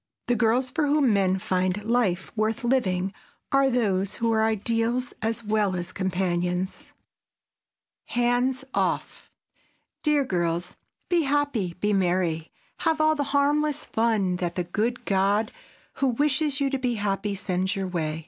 The girls for whom men find life worth living are those who are ideals as well as companions. [Sidenote: HANDS OFF] Dear girls, be happy, be merry, have all the harmless fun that the good God, who wishes you to be happy, sends your way.